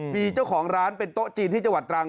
มีเจ้าของร้านเป็นโต๊ะจีนที่จังหวัดตรัง